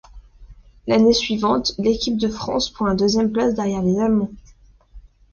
L'année suivante, l'équipe de France prend la deuxième place derrière les Allemands.